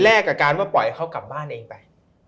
กับการว่าปล่อยให้เขากลับบ้านเองไป